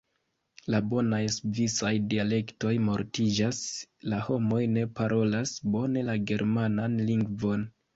La bonaj svisaj dialektoj mortiĝas, la homoj ne parolas bone la germanan lingvon.